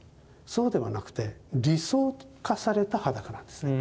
そうではなくて理想化された裸なんですね。